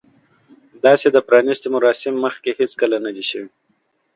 داسې د پرانیستې مراسم مخکې هیڅکله نه دي شوي.